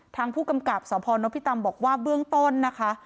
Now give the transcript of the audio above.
ทางผู้กำกับสพนพิตำบอกว่าเบื้องต้นนะคะ